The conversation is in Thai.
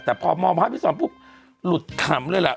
แต่พอมองภาพวิศวรรภ์ปุ๊บหลุดถ่ำเลยแหละ